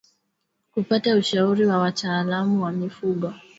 Kupata ushauri wa wataalamu wa mifugo